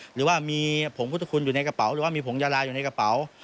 หรือว่ามีผงพุทธคุณอยู่ในกระเป๋าหรือว่ามีผงยาลาอยู่ในกระเป๋า